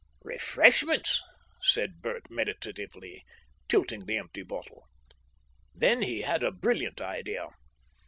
"Refreshments," said Bert meditatively, tilting the empty bottle. Then he had a brilliant idea.